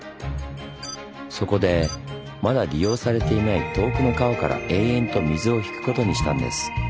そこでまだ利用されていない遠くの川から延々と水を引くことにしたんです。